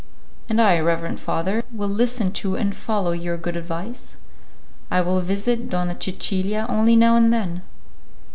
"And I, reverend father; will listen to and follow your good advice. I will visit Donna Cecilia only now and then."